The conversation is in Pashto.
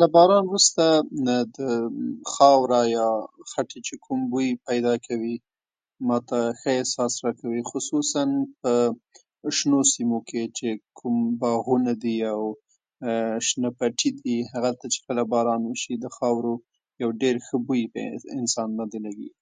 له باران وروسته د خاورې یا خټې چې کوم بوی پیدا کوي، ماته ښه احساس راکوي. خصوصاً په شنو سیمو کې چې کوم باغونه دي او شنه پټي دي، هلته چې کله باران وشي، د خاورو یو ډېر ښه بوی یې انسان باندې لګېږي.